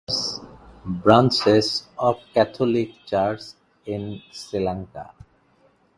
Church branch of Catholic Church in Sri Lanka.